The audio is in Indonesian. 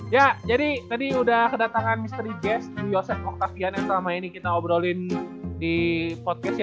ya jadi tadi udah kedatangan misteri guest yosef mokhtasian yang selama ini kita obrolin di podcastnya